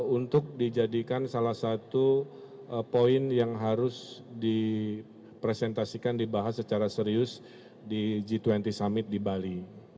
untuk dijadikan salah satu poin yang harus dipresentasikan dibahas secara serius di g dua puluh summit di bali